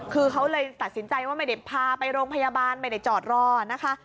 คือเขาเลยตัดสินใจว่าไม่ได้พาไปโรงพยาบาลไม่ได้จอดรอนะคะ